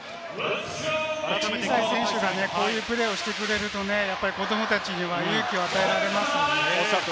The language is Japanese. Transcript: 小さい選手がこういうプレーをしてくれるとね、子供たちには勇気を与えられますよね。